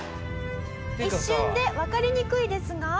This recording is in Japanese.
一瞬でわかりにくいですが。